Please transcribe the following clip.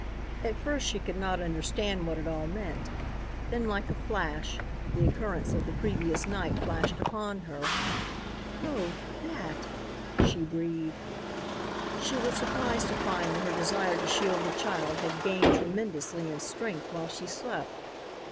At first she could not understand what it all meant. Then, like a flash, the occurrence of the previous night flashed upon her. "Oh, that," she breathed. She was surprised to find that her desire to shield the child had gained tremendously in strength while she slept.